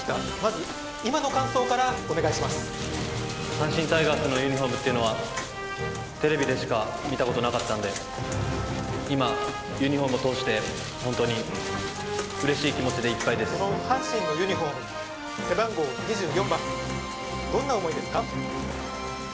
阪神タイガースのユニフォームっていうのはテレビでしか見たことなかったんで今ユニフォームを通してほんとにうれしい気持ちでいっぱいですその阪神のユニフォーム背番号２４番どんな思いですか？